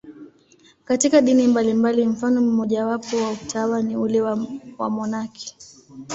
Katika dini mbalimbali, mfano mmojawapo wa utawa ni ule wa wamonaki.